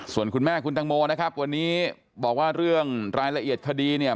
ส่วนคุณแม่คุณตังโมนะครับวันนี้บอกว่าเรื่องรายละเอียดคดีเนี่ย